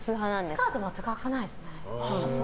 スカート全くはかないですね。